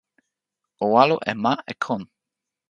o walo e ma e kon.